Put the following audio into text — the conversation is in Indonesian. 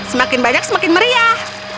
semakin banyak semakin meriah